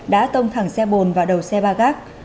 đã tông thẳng xe bồn vào đầu xe ba gác